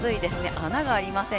穴がありません。